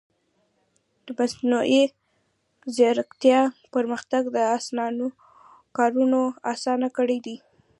د مصنوعي ځیرکتیا پرمختګ د انسانانو کارونه آسانه کړي دي.